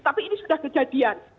tapi ini sudah kejadian